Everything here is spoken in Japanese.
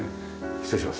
失礼します。